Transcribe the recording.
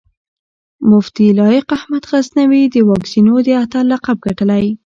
مفتي لائق احمد غزنوي د واکسينو د اتل لقب ګټلی